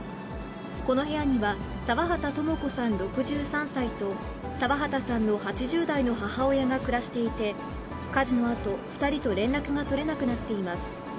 この部屋には、澤畑智子さん６３歳と、澤畑さんの８０代の母親が暮らしていて、火事のあと、２人と連絡が取れなくなっています。